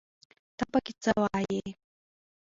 ته پکې څه وايې